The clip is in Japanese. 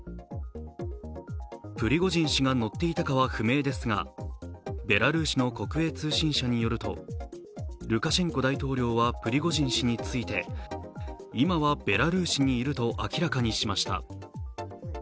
プリゴジン氏が乗っていたかは不明ですが、ベラルーシの国営通信社によるとルカシェンコ大統領はプリゴジン氏について今はベラルーシにいると明らかにしました。